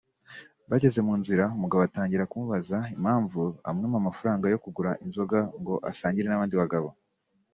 bageze mu nzira umugabo atangira kumubaza impamvu amwima amafaranga yo kugura inzoga ngo asangire n’abandi bagabo